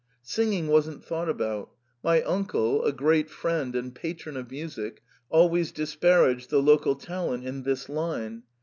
Singing wasn't thought about ; my uncle, a great friend and patron of music, always disparaged the local talent in this line.